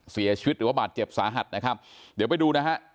เสียชีวิตหรือว่าบาดเจ็บสาหัสนะครับเดี๋ยวไปดูนะฮะ